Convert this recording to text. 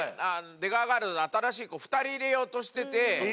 出川ガール新しい子２人入れようとしてて。